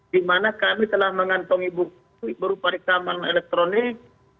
di mana kami telah mengantongi bukti berupa rekaman elektronik